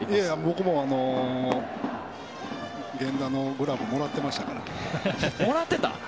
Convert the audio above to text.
僕も源田のグラブをもらっていましたから。